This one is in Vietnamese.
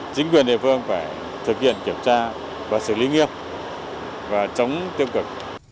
chính quyền địa phương phải thực hiện kiểm tra và xử lý nghiêm và chống tiêu cực